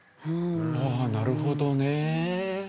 ああなるほどね。